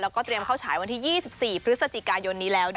แล้วก็เตรียมเข้าฉายวันที่๒๔พฤศจิกายนนี้แล้ว